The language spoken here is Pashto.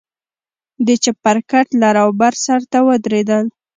د چپرکټ لر او بر سر ته ودرېدل.